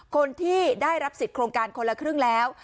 คนที่ได้รับสิทธิ์โครงการคนละครึ่งแล้ว